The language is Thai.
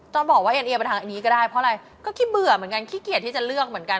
ต้องบอกว่าเอ็นเอียไปทางอันนี้ก็ได้เพราะอะไรก็ขี้เบื่อเหมือนกันขี้เกียจที่จะเลือกเหมือนกัน